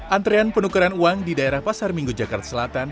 antrean penukaran uang di daerah pasar minggu jakarta selatan